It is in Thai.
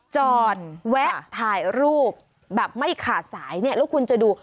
จอดแวะถ่ายรูปแบบไม่ขาดสายเนี่ยแล้วคุณจะดู